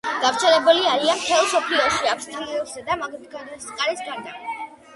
გავრცელებული არიან მთელ მსოფლიოში, ავსტრალიისა და მადაგასკარის გარდა.